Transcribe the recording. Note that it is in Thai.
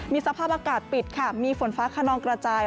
มีสภาพอากาศปิดค่ะมีฝนฟ้าขนองกระจาย